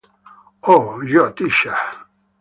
Oh, You Teacher!